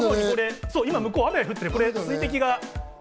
今向こう、雨が降っているんです。